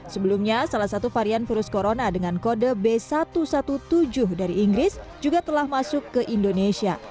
sebelumnya salah satu varian virus corona dengan kode b satu satu tujuh dari inggris juga telah masuk ke indonesia